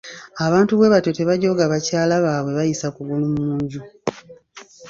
Abantu bwe batyo tebajooga bakyala baabwe bayisa kugulu mu nju.